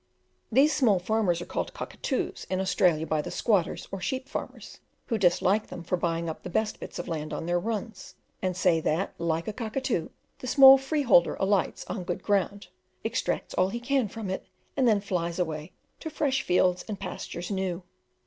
These small farmers are called Cockatoos in Australia by the squatters or sheep farmers, who dislike them for buying up the best bits of land on their runs; and say that, like a cockatoo, the small freeholder alights on good ground, extracts all he can from it, and then flies away to "fresh fields and pastures new."